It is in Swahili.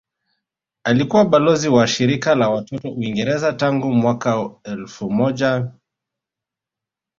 Alikuwa balozi wa shirika la watoto Uingereza tangu mwaka mwaka elfu mbili na tano